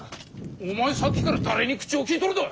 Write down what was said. お前さっきから誰に口を利いとるだあ！